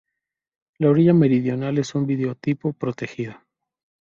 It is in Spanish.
La orilla meridional es un biotopo protegido.